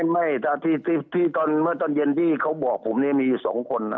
ไม่ใช่ที่ตอนเย็นที่เขาบอกผมเจ้ามีอยู่๒คนนะครับ